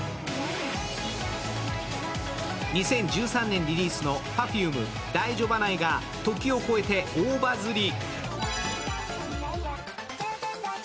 ２０１３年リリースのＰｅｒｆｕｍｅ「だいじょばない」が時を超えて大バズリ。